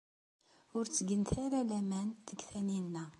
Ur ttgent ara laman deg Taninna.